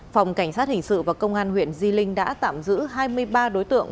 phòng cảnh sát hình sự và công an huyện di linh đã tạm giữ hai mươi ba đối tượng